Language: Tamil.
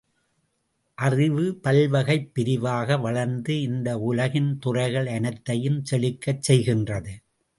அறிவு பல்வகைப் பிரிவாக வளர்ந்து இந்த உலகின் துறைகள் அனைத்தையும் செழிக்கச் செய்கின்றது.